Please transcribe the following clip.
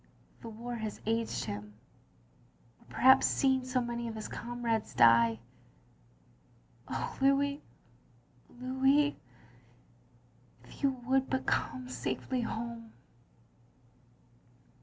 The war has aged him — or perhaps seeing so many of his comrades die. Oh, Louis, Louis — ^if you would but come safely home.